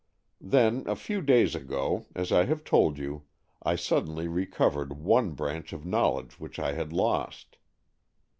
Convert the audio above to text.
"Then, a few days ago, as I have told you, I suddenly recovered one branch of knowledge which I had lost.